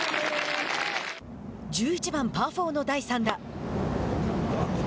１１番パー４の第３打。